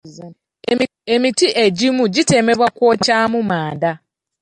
Emiti egimu gitemebwa kwokyamu manda.